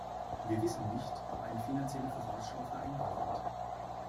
Wir wissen nicht, ob eine Finanzielle Vorausschau vereinbart wird.